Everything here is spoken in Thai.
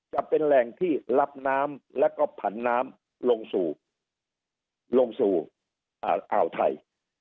จะเป็นแหล่งที่รับน้ำแล้วก็ผันน้ำลงสู่ลงสู่อ่าวไทย